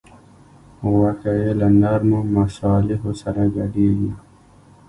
غوښه یې له نرمو مصالحو سره ګډیږي.